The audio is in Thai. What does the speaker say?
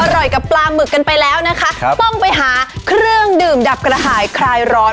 กับปลาหมึกกันไปแล้วนะคะครับต้องไปหาเครื่องดื่มดับกระหายคลายร้อน